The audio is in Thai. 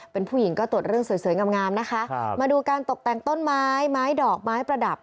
เป็นผู้หญิงก็ตรวจเรื่องสวยงามนะคะมาดูการตกแต่งต้นไม้ไม้ดอกไม้ประดับ